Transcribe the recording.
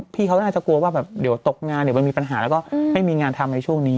พี่เขาน่าจะกลัวว่าแบบเดี๋ยวตกงานเดี๋ยวมันมีปัญหาแล้วก็ไม่มีงานทำในช่วงนี้